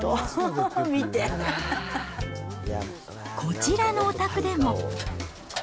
ーこちらのおたくでも。